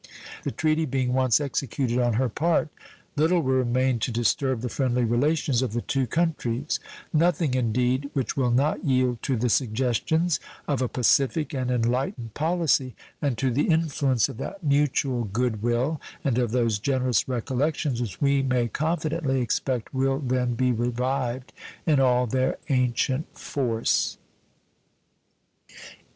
The treaty being once executed on her part, little will remain to disturb the friendly relations of the two countries nothing, indeed, which will not yield to the suggestions of a pacific and enlightened policy and to the influence of that mutual good will and of those generous recollections which we may confidently expect will then be revived in all their ancient force.